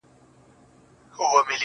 صبر د عقل نښه ده.